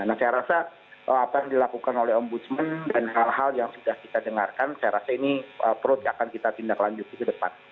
nah saya rasa apa yang dilakukan oleh ombudsman dan hal hal yang sudah kita dengarkan saya rasa ini perut yang akan kita tindak lanjuti ke depan